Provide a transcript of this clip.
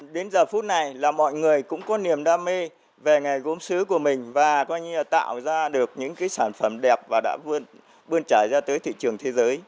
đến giờ phút này là mọi người cũng có niềm đam mê về nghề gốm xứ của mình và tạo ra được những sản phẩm đẹp và đã vươn trải ra tới thị trường thế giới